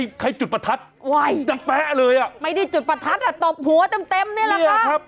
ใครจุดประทัดยังแป๊ะเลยอ่ะไม่ได้จุดประทัดอ่ะตบหัวเต็มเต็มนี่แหละครับ